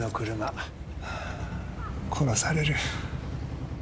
殺される。